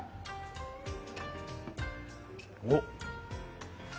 おっ。